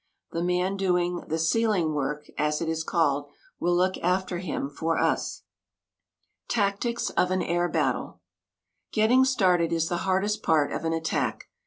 The man doing the "ceiling work," as it is called, will look after him for us. TACTICS OF AN AIR BATTLE Getting started is the hardest part of an attack.